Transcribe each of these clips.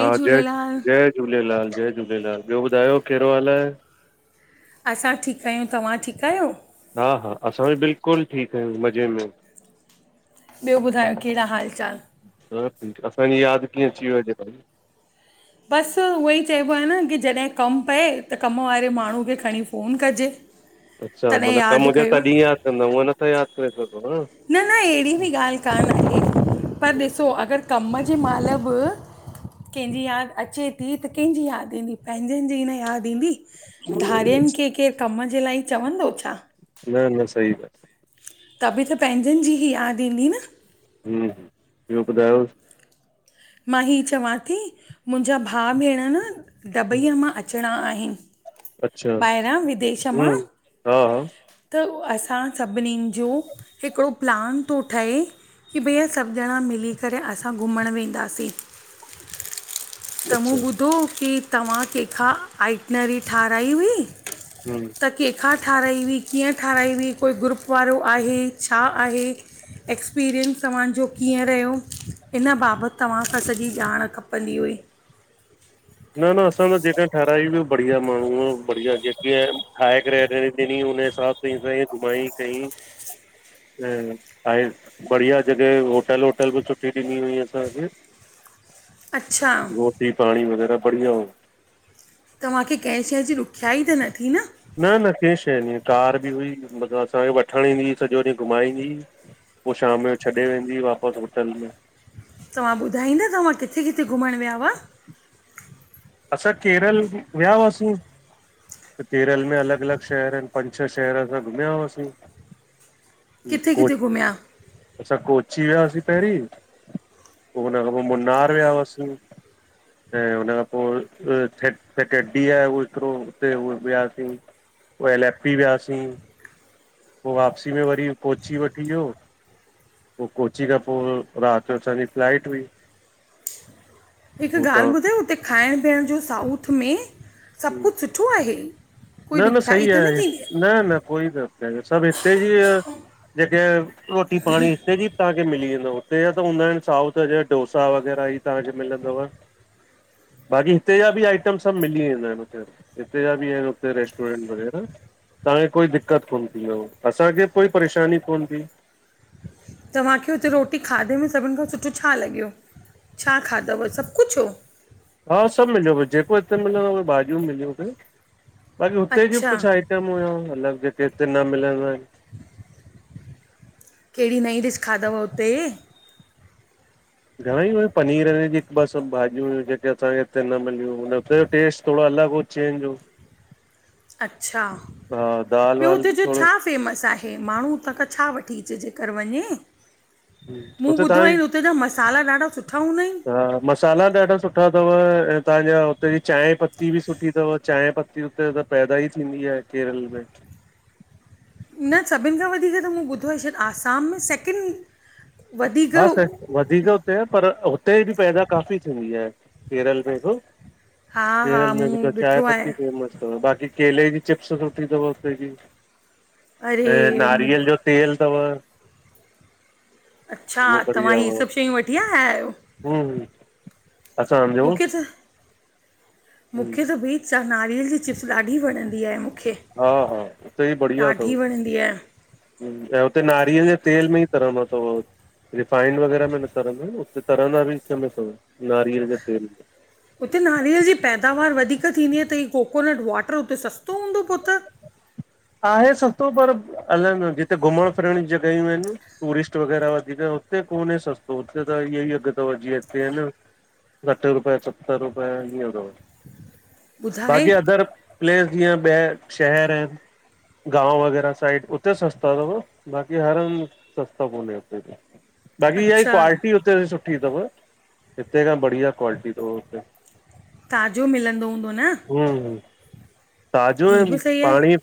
हा जय जय झूलेलाल जय झूलेलाल ॿियो ॿुधायो कहिड़ो हाल आह? असां ठीक आहियूं तव्हां ठीक आहियो? हा हा असां बि बिल्कुल ठीक आहियूं मज़े में। ॿियो ॿुधायो कहिड़ा हाल चाल? सब ठीक आ, असांजी याद कीअं अची वयव अॼु तव्हां खे? बस उह ही चइबो आ न की जॾहिं कम पए त कम वारे माण्हू खे खणी फ़ोन कजे। अच्छा तॾहिं मतलब कम यादि हुजे कयो तॾहिं याद कंदा हूअं नथा याद करे सघो न! न न अहिड़ी बि ॻाल्हि कान आहे पर ॾिसो अगर कम जे महिल बि कंहिंजी याद अचे थी त कंहिंजी याद ईंदी पंहिंजनि जी न याद ईंदी। धारियनि खे केर कम जे लाइ चवंदो छा। न न सही आ। तभी त पंहिंजनि जी ही याद ईंदी न। हम्म ॿियो ॿुधायो,? मां हीउ चवां थी मुंहिंजा भाउ भेण न दबईअ मां अची अचणा आहिनि अच्छा ॿाहिरां विदेश मां हम्म हा हा त असां सभिनीनि जो हिकिड़ो प्लान थो ठहे। की भईया सभ ॼणा मिली करे असां घुमण वेंदासीं। त मूं अच्छा ॿुधो की तव्हां कंहिंखां आइटनरी ठाराई हुई। हम्म त कंहिंखां ठाराई हुई कीअं ठाराई हुई कोई ग्रुप वारो आहे छा आहे? एक्सपीरियंस तव्हांजो कीअं रहियो इन बाबति तव्हां खां सॼी ॼाण खपंदी हुई। न न असां त जेका ठराई बि बढ़िया माण्हू बढ़िया जेके ठाहे करे ॾिनी उनीजे हिसाब तींअ असांखे घुमाई कई। [inaudible] ऐं आहे बढ़िया जॻहि होटल वोटल बि सुुठी ॾिनी हुई असांखे। अच्छा! रोटी पाणी वग़ैरह बढ़िया हो। तव्हांखे कंहिं शइ जी ॾुखियाई त न थी न? न न कंहिं शइ न, कार बि हुई मतिलबु असांखे वठणु ईंदी हुई सॼो ॾींहुं घुमाईंदी पो शाम जो छॾे वेंदी वापसि होटल में तव्हां ॿुधाईंदा तव्हां किथे किथे घुमणु वियाव? असां केरल विया हुआसीं। त केरल में अलॻि अलॻि शहर पंज छह शहर असां घुमिया हुयासीं। ई किथे किथे कोट घुमिया [inaudible] असां कोच्ची विया सीं पहिरीं, पो उन खां पो मुन्नार विया हुआसीं। ऐं हुन खां पो केडी [unintelligible] आहे हिकड़ो उते उ वियासीं पो एल एफ पी वियासीं, पो वापसी में वरी कोच्ची वठी वियो पो कोच्ची खां पो राति जो असांजी फ्लाइट हुई। हिक हुतां ॻाल्हि ॿुधायो, उते खाइण पींअण जो साउथ में सभु कुछु सुठो आहे? कोई न न ॾुखियाई सही त न आहे थींदी न न कोई न सभु हिते जी जेके रोटी पांणीं हिते ॼी तव्हांखे मिली वेंदव हुते जा त हूंदा आहिनि साउथ जा डोसा वग़ैरह ई तव्हांखे मिलंदव खाली जवाब [inaudible] ॿाक़ी हिते जा ॿि आइटम सभु मिली वेंदा हिनि हुते हिते जा ॿि आहिनि हुते रेस्टोरेंट वग़ैरह तव्हांखे कोई दिक्क़त कोन् थींदव असांखे ॿि कोई परेशानी कोन् थी। तव्हांखे हुते रोटी खाधे में सभिनि खां सुठो छा लॻियो? छा खादव, सभु कुछु हो? हा सभु मिलियो ॿस ॼेको हिते मिलंदो आ ‌उहे भाॼियूं मिलियूं हुते बाक़ी हुते ॼो ॿि अच्छा कुझु आइट आईटम मतलब जेके हिते न मिलंदा आहिनि कहिड़ी नईं ॾिश खादव उते? घणे हुई पनीर वनीर ॼी हिकु ॿ सभु भाॼियूं हुयूं जेके असांखे हिते न मिलियूं हुन उते ॼो टेस्ट थोड़ो अलॻि हो चेंज हो अच्छा हा दाल ॿियो वाल हुते बि जो थोरो छा फेमस आहे माण्हूँ उतां खां छा वठी चे जेकर वंञें मूं हुते ॿुधो आहे तव्हांजी हुते ॼा मसाला ॾाढा सुठा हूंदा इनि। हा मसाला ॾाढा सुठा तव ऐं तव्हांजा हुते ॼी चांहि पत्ती ॿि सुठी तव चांहि पत्ती हुते त पैदा ई थींदी आए केरल में। न सभिनि खां वधीक त मूं ॿुधो आहे शायदि आसाम में सैकिेंड हा सैक् वधीक हुते आ पर हुते ॿि पैदा काफ़ी थींदी आहे केरल में ॿि हा हा केरल में ॿि मूं त चाय ॾिठो आहे पत्ती फेमस तव बाक़ी केले ॼी चिप्स सुठी तव उते ॼी अरे ऐं मूं नारियल जो तेल तव अच्छा तव्हां ही सभु शयूं वठी आया आहियो? हुं हुं असां ॼो मूंखे त मूंखे त भई नारियल ॼी चिप्स ॾाढी वणंदी आहे मूंखे हा हा उते ॼी बढ़िया तव। ॾाढी वणंदी आहे ऐं हुते नारीअल ॼे तेल में ई तरंदा तव रिफाइंड वग़ैरह में न तरंदा इन उते तरंदा ॿि उनमे तव नारियल ॼे तेल में। उते नारियल ॼी पैदावार वधीक थींदी आ त हीअ कोकोनट वाटर उते सस्तो हूंदो पो त? आहे सस्तो पर अल न ॼिते घुमणं फिरणं ज्यूं ॼॻहियूं हिनि टूरिस्ट वग़ैरह वधीक हुते कोन्हे सस्तो हुते त इह्येई अघ् तव ॼींअं हिते इन सठि रुपए सत्तरि रूपए हींय हूंदो हो। ॿुधाए बाक़ी अदर प्लेस ॼीअं ॿिया शहर आहिनि गांव वग़ैरह साइड उत्ते सस्ता तव, ॿाक़ी हर हंधि् सस्ता कोन्हे उते ॿि बाक़ी इह्या ए अच्छा क्वालिटी उते ॼी सुठी तव, हिते खां बढ़िया क्वालिटी तव हुते। ताॼो मिलंदो हूंदो न। हुं हुं, ताॼो ऐं हीअ बि सही आहे पांणी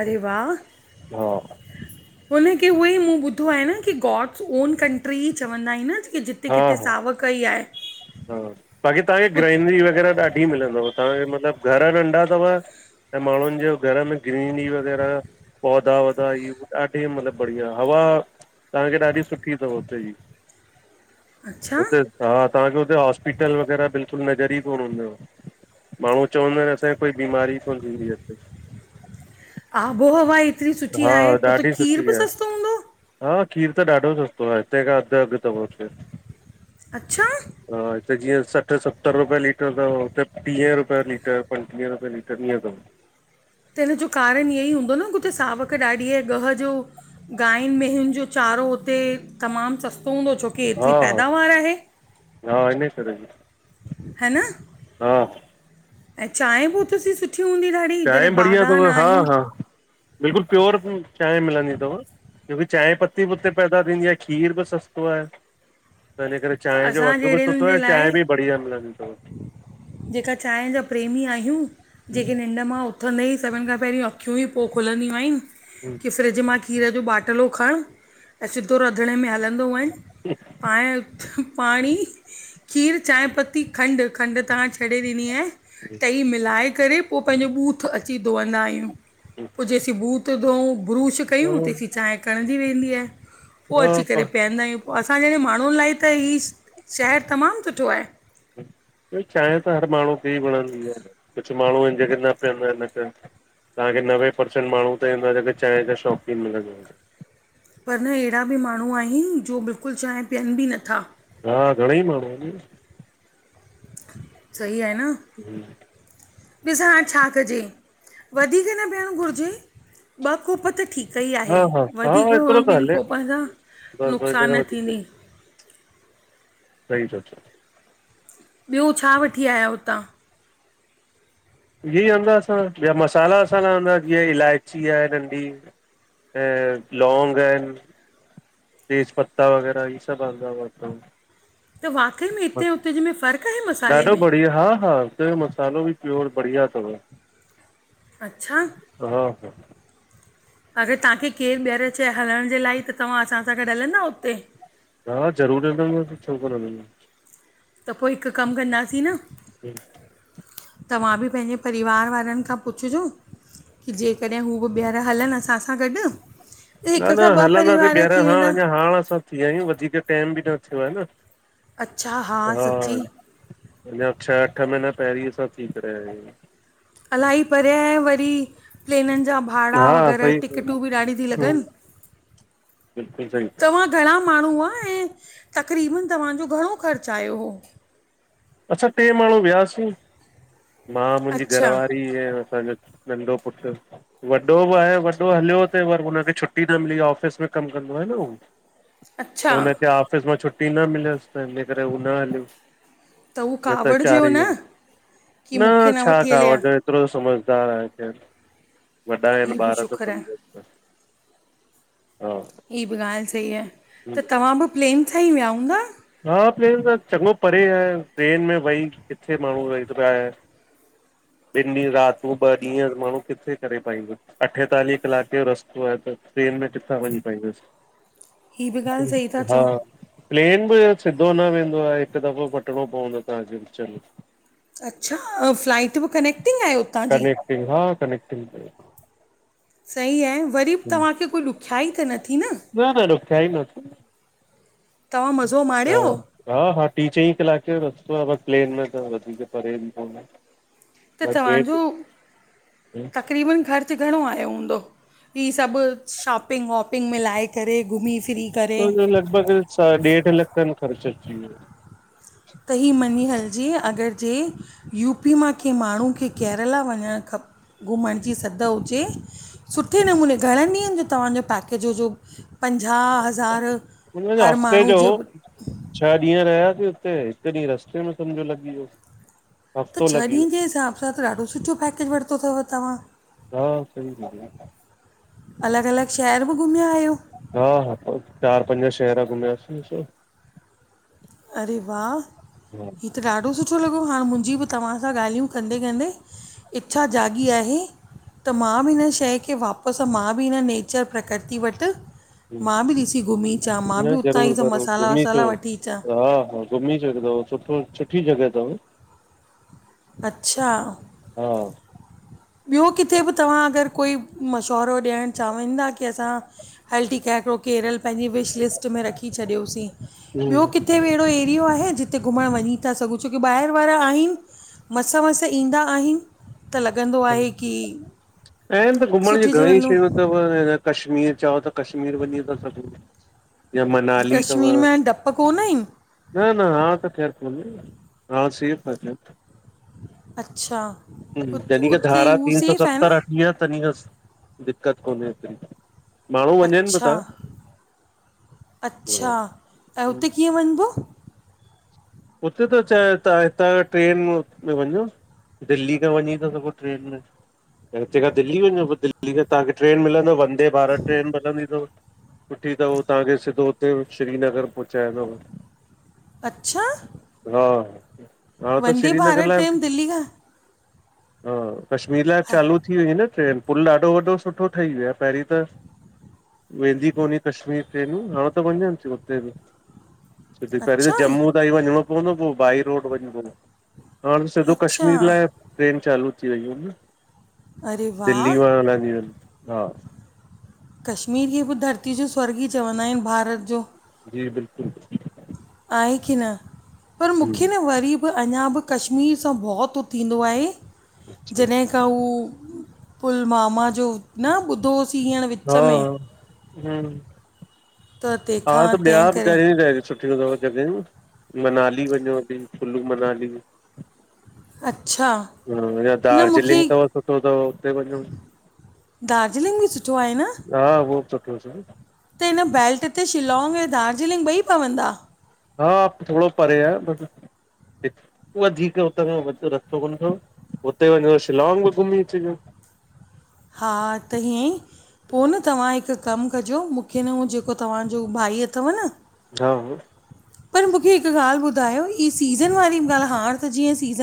अरे वाह। हा हुनखे उहेई मूं ॿुधो आहे न कि गॉड्स ओन कंट्री ही चवंदा हिनि। कि जित्ते हा कित्थे हा सावक ही आहे। हा, ॿाक़ी तव्हांखे हु ग्रैइनरी वग़ैरह ॾाढी मिलंदव तव्हांखे मतलबु घर नंढा तव ऐं माण्हुनि ॼो घर में ग्रीनरी वग़ैरह पौधा- वौधा इह्ये ॾाढी मतिलबु बढ़िया हवा तव्हांखे ॾाढी सुठी तव उते ॼी। [inaudible] उते हा तव्हांखे हुते हॉस्पिटल वग़ैरह बिल्कुलु नज़र ई कोन हूंदव। माण्हू चवंदा इनि असांखे कोई बीमारी ही कोन थींदी आ हिते। आबोहवा एतिरी सुठी हा आहे, पो त ॾाढी खीर सुठी बि आहे। सस्तो हूंदो? हा खीर त ॾाढो सस्तो आ, हिते खां अधु अघु तव उते। अच्छा! हा हिते जीअं सठि सत्तरि रुपये लीटर तव, उते टीहे रुपये लीटर पन्टीहें रुपये लीटर इअं तव। त हिन जो कारण इह्येई हूंदो न कि हुते सावक ॾाढी आहे ॻह जो गाहियुंन मेंहियुनि जो चारो हुते तमामु सस्तो हूंदो छोकी एतिरी हा हा पैदावार आहे। हा इन्हे करें बि ह न हा। ऐं चांहिं पो उतसी सुठी हूंदी ॾाढ चांहि बढ़िया थव हा -हा, बिल्कुलु प्योर चांहि मिलंदी तव। क्योकीं चांहिं पत्ती बि उते पैदा थींदी आ खीर बि सस्तो आहे त हिन करे त चाहिं जो असां अघु बि जहिड़नि सुठो आहे, जे ऐं चाहिं लाइ बि बढ़िया मिलंदी तव। जेका चांहिं जा प्रेमी आहियूं जेखे न मां उथंदे ही सभिन खां पहरियुं अख्यूं ही पो खुलंद्यूं आहिन हम्म कि फ्रिज मां खीर जो ॿाटिलो खणुं ऐं सिधो रंधिणे में हलंदो वंञु पांए पांणी, खीरु, चांहि पत्ती, खंडु- खंडु त हांणे छॾे ॾिनी आहे जी। ही मिलाए करे पो पहिंजो ॿूथु अची धोवंदा आहिंयूं पो जेसी ॿूथ त धोऊं ब्रुश कयूं तेसी चांहि कणंदी वेंदी आहे पो हा अची करे हा पीअंदा आहियूं पो असां जहिड़े माण्हुनि लाए त ही शहरु तमामु सुठो आहे। न चांहि त हर माण्हूअ खे ई वणंदी आ न, कुछु माण्हूं इनि जेके न पीअंदा इन हिते तहांखे नवे परर्सेंट माण्हूं त ईंदो आहे जेके चांहिं जा शौंक़ीन मिलंदा पर न अहिड़ा बि माण्हूं आहिनि जो बिल्कुलु चांहि पीअनि बि नथा। हा घणंई माण्हूं इनि सही आहे न हम्म ॾिसां, छा कजे वधीक न पिअणु घुरिजे, ॿ कोप त ठीक। सही आहे हा हा हा वधीक एतिरो त ॿिनि हले कोपनि सां बस बस हिन नुक़सान खां न वधीक थींदी सही ता चओ ॿियो, छा वठी आयां हुतां? इहे ई हूंदा असां ॿिया मसाला वसाला रहंदा जीअं इलायची आहे नंढी। ऐं लौंग आहिन। तेज पता वग़ैरह इ सभ अंदा त वाक़ई में हिते उते जे में फ़र्क़ आहे मसाले ॾाढो में? हा हा उत जो मसालो बि प्योर बढ़िया तव। अच्छा! हा हा अगर तव्हांखे केरु ॿीहर चय हलण जे लाइ त तव्हां असां सां गॾु हलंदा उते? हा ज़रूरु वेंदुम छो कोन [unintelligible] त पो हिक कम कंदासीं न [unintelligible] तव्हां बि पंहिंजे परिवार वारनि खां पुछिजो की जेकॾहिं हू बि ॿीहर हलनि असां सां गॾु। न हिक न खां ॿ हलंदासीं परिवार ॿीहर, थी हा वेंदा अञा हाण असां। थी आया आहियूं वधीक टाइम बि न थियो आ न, अच्छा हा। सच्ची अंञा छह अठ महीना पहिरीं असां थी करे आया आहियूं। अलाही परे ऐं वरी प्लेननि जा भा भाड़ा हा वग़ैरह सही टिकटूं हूं बि ॾाढी थी लॻनि बिल्कुलु सही तव्हां घणा माणू हूआ ऐं तक़रीबन तव्हांजो घणो ख़र्च आयो हो? असां ट्रे माण्हू वियासीं मां मुंहिंजी अच्छा घरवारी जय असांजो नंढो पुट्र। वॾो बि आहे वॾो हलियो हुते पर हुनखे छुटी न मिली, ऑफ़िस में कम कंदो आहे न उहो। अच्छा त हुनखे ऑफिस मां छुट्टी न मिलियसि त हिन करे उहो न हलियो। हू न त कावड़जियो चारइ न हलू की न मूंखे छा वठी हलिया कावडे, एतिरो त समझदार आहे खेर। वॾा आहिनि हीअ बि ॿार त शुक्र आहे समझन था हा। ह बि ॻाल्हि सही आ। त तव्हां बि प्लेन सां ही विया हूंदा? हा प्लेन सां, चॻो परे आहे ट्रेन में वेही किथे माण्हू वेही तो पाऐ। ॿिन ॾींहं रातू ॿ ॾींहं माण्हू किथे करे पाईंदो। अठेतालीह कलाक जो रस्तो आहे त ट्रेन में किथां वञी पाईंदासी? हीअ बि ॻाल्हि सही था हा चओ प्लेन बि सिधो न वेंदो आहे हिक दफ़ो मटिणो पवंदो तव्हांखे, विच में। अच्छा फ्लाइट बि कनेक्ट कनेक्टिंग हा कनेक्टिंग। सही आहे वरी तव्हांखे कोई ॾुखियाई त न थी ना? न न ॾुखियाई न थी, तव्हां मज़ो हा। माणियो हा हा ट्री चईं कलाके जो रस्तो आ पर प्लेन में त वधीक परे बि कोन्हे। त बाक़ी तव्हांजो ट्रेन तक़रीबन ख़र्चु घणो आयो हूंदो? ही सभ शॉपिंग वॉपिंग मिलाए करे घुमी फिरी करे मुंजो लॻभॻि ॾेढ लख खन ख़र्च अची वयो। त ही मञी हलजे अगर जे यूपी मां कंहिं माण्हू खे केरला वञण खप घुमण जी सघ हुजे सुठे नमूने घणनि ॾींहंनि जो तव्हांजो पैकेज हो जो पंजाह ह हज़ार हुनजो हर हफ़्ते माण्हू जो छह ॾींहं रहियासीं उते हिक ॾींहुं रस्ते में समझो लॻी वियो। त हफ़्तो छह लॻी वियो ॾींहंनि जे हिसाब सां त ॾाढो सुठो पैकेज वरितो थव तव्हां। हा सही दीदी। अलॻ -अलॻ शहर बि घुमिया आहियो? हा हा, त चार पंज शहर घुमियासीं असां। अरे वाह। हा हीअ त ॾाढो सुठो लॻो हाणे मुंजी बि तव्हां सां ॻाल्हियूं कंदे- कंदे इच्छा जाॻी आहे। त मां बि हिन शंइ खे वापसि, मां बि हिन नेचर प्रकृति वटि मां बि ॾिसी घुमी चां, मां बि न उतांई ज़रूर जा ज़रूर मसाला घुमी अचो वसाला वठी चां। हा हा घुमी चो हिकु दफो, सुठो सुठी जॻह तव। अच्छा? हा। ॿियो किथे बि तव्हां अगर कोई मशवरो ॾियवण चावींदा की असां हल ठीका आ हिकिड़ो केरल पंहिंजी विश लिस्ट में रखी छॾियोसीं, हम्म ॿियो किथ? किथे बि अहिड़ो एरियो आहे जिते घुमंण वञीं था सघूं? छोकी ॿाहिरि वारा आहिनि मस -मस ईंदा आहिनि त लॻंदो आहे की आहिनि त घुमंण जी सुठी जॻह घणेंई हलूं शयूं तव कश्मीर चओ त, कश्मीर वंञीं ता सघू। या मनाली तव। कश्मीर में हाणे डप कोन आहिनि न न हांण त खैर कोन्हे, हांण सेफ आ खैर। अच्छा। हम्म, उत जॾी खां उते धारा हू तीन सौ सेफ आहे न सत्तर अची या तॾी खां दिक्क़त कोन्हे एतिरी माण्हू वञनि बि अच्छा था -अच्छा ऐं हुते कीअं वंञिबो? उते त चाहे तहां हितां ट्रेन में वंञों दिल्ली खां वंञी ता सघो ट्रेन में। त हिते खां दिल्ली वंञो, पो दिल्ली खां तहांखे ट्रेन मिलंदव वंदे भारत ट्रेन मिलंदी तव। सुठी तव तव्हांखे सिधो उते श्रीनगर पहुचाईंदव अच्छा! हा हा हा त वंदे श्रीनगर भारत लाए ट्रेन दिल्ली खां हा कश्मीर लाए हा चालू थी वयुं इनि न ट्रेन, पुल ॾाढो वॾो सुठो ठही वियो आ पहिरीं त वेंदी कोनी कश्मीर ट्रेनियू हाणे त वंञंनि थियूं उते बि सिधी पहिरीं त अच्छा ई जम्मू ताईं वञिणो पवंदो हो पो बाई रोड वंञिंबो हो। हाण सिधो अच्छा कश्मीर लाए ट्रेन चालू थी वयूं इनि न। अरे दिल्ली वाह मां हलंदियूं इन हा। कश्मीर खे बि धरती जो स्वर्ग ही चवंदा इनि भारत जो। जी बिल्कुल। आहे की न, पर मुखे न वरी अंञां बि कश्मीर सां भव तो थींदो आहे जॾहिं त हू पुलवामा जो न ॿुधो होस हा, हुं। त हा तंहिंखां त ॿिया तंहिं करे घणीं रहि सुठियुं तव जॻहियुं मनाली वंञों दी कुुल्लू मनाली। अच्छा? हा या न मूंखे दार्जिलिंग तव सुठो तव उते वंञों दार्जिलिंग बि सुठो आहे न? हा, उहो बि सुठो सुठो। त हिन बैल्ट ते शिलॉग ऐं दार्जिलिंग ॿई पवंदा? हा, थोड़ो परे आहे वधीक हुतां खां वध रस्तो कोन थव, हुते वञो शिलॉग बि घुमीं अचजो। हा, त हीअंईं पो न तव्हां हिक कम कजो, मूखे न हू जेको तव्हांजो भाई अथव न हा हा पर मुखे हिक ॻाल्हि ॿुधायो, ई सीज़न वारी ॻाल्ह हाण त जींअ सीज़न